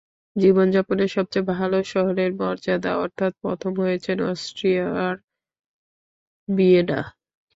জীবন যাপনের সবচেয়ে ভালো শহরের মর্যাদা অর্থাৎ প্রথম হয়েছে অস্ট্রিয়ার ভিয়েনা।